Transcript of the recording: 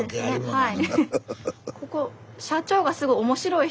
はい。